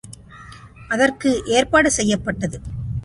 அதற்கு ஏற்பாடு செய்யப்பட்டது.